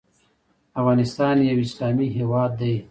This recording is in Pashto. افغانستان یو اسلامي هیواد دی